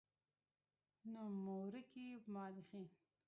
نومورکي مؤرخين